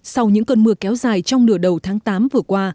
sau những cơn mưa kéo dài trong nửa đầu tháng tám vừa qua